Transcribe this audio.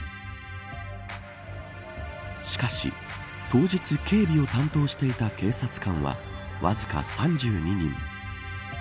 しかし、当日警備を担当していた警察官はわずか３２人。